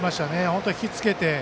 本当に引きつけて。